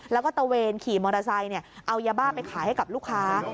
แล้วก็ตะเวนขี่มอเตอร์ไซค์เอายาบ้าไปขายให้กับลูกค้า